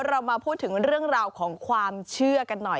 เรามาพูดถึงเรื่องราวของความเชื่อกันหน่อย